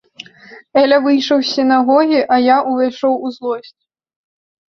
Эля выйшаў з сінагогі, а я ўвайшоў у злосць.